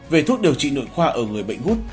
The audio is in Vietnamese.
về thuốc điều trị nội khoa ở người bệnh hút